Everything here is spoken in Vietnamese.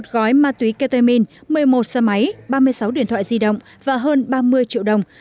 một gói ma túy ketamine một mươi một xe máy ba mươi sáu điện thoại di động và hơn ba mươi triệu đồng